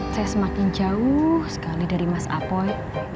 saya semakin jauh sekali dari mas apoy